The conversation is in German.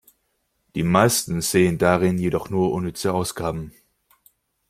Die meisten sehen darin jedoch nur unnütze Ausgaben!